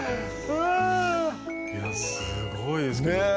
いやすごいですけど。